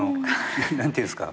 何ていうんですか。